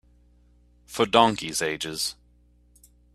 For donkeys' ages.